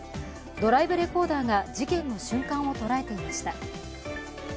ドライブレコーダーが事件の瞬間を捉えていました。